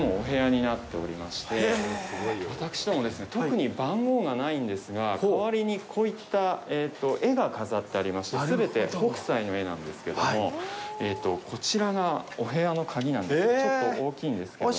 私ども、特に番号がないんですが、代わりにこういった絵が飾ってありまして、全て北斎の絵なんですけども、こちらがお部屋の鍵なんですが、ちょっと大きいんですけども。